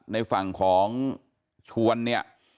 ในฝั่งของชวนเนี่ย